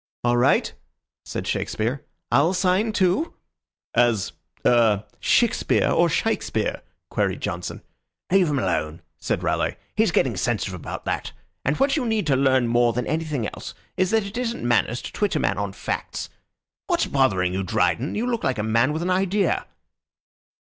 "All right," said Shakespeare. "I'll sign too." "As er Shixpur or Shikespeare?" queried Johnson. "Let him alone," said Raleigh. "He's getting sensitive about that; and what you need to learn more than anything else is that it isn't manners to twit a man on facts. What's bothering you, Dryden? You look like a man with an idea."